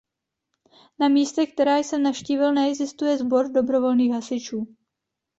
Na místech, která jsem navštívil, neexistuje sbor dobrovolných hasičů.